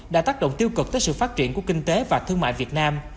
đã tác động tiêu cực tới sự phát triển của kinh tế và thương mại việt nam